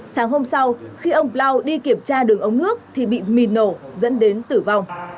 sáng hôm sau khi ông bloud đi kiểm tra đường ống nước thì bị mìn nổ dẫn đến tử vong